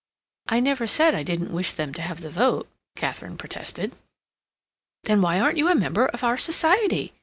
"I never said I didn't wish them to have the vote," Katharine protested. "Then why aren't you a member of our society?"